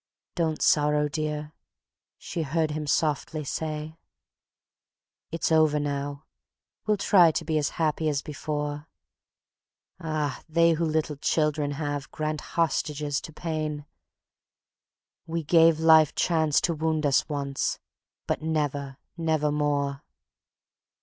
... "Don't sorrow, dear," she heard him softly say; "It's over now. We'll try to be as happy as before (Ah! they who little children have, grant hostages to pain). We gave Life chance to wound us once, but never, never more.